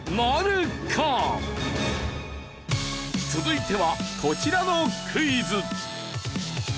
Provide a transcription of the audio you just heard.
続いてはこちらのクイズ。